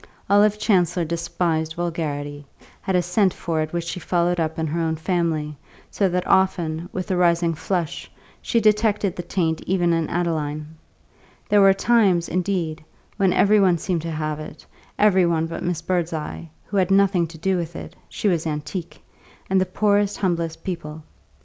Olive Chancellor despised vulgarity, had a scent for it which she followed up in her own family, so that often, with a rising flush, she detected the taint even in Adeline. There were times, indeed, when every one seemed to have it, every one but Miss Birdseye (who had nothing to do with it she was an antique) and the poorest, humblest people.